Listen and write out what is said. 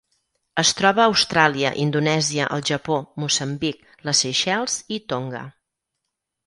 Es troba a Austràlia, Indonèsia, el Japó, Moçambic, les Seychelles i Tonga.